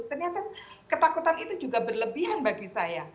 ternyata ketakutan itu juga berlebihan bagi saya